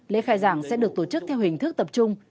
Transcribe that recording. lễ khai giảng sẽ được tổ chức theo hình thức tập trung